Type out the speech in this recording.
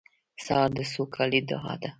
سهار د سوکالۍ دعا ده.